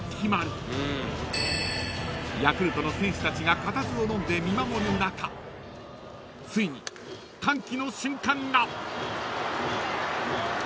［ヤクルトの選手たちが固唾をのんで見守る中ついに歓喜の瞬間が］